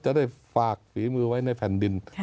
จะได้ฝากฝีมือไว้ในแผ่นดิน